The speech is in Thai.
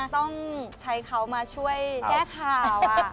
ต้องใช้เขามาช่วยแก้ข่าว